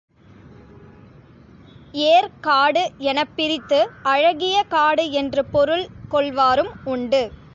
ஏர் காடு எனப் பிரித்து, அழகிய காடு என்று பொருள் கொள்வாரும் உண்டு.